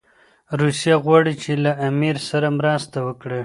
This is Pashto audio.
روسیه غواړي چي له امیر سره مرسته وکړي.